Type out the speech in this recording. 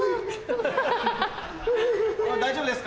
大丈夫ですか？